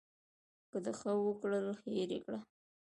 که د ښه وکړل هېر یې کړه .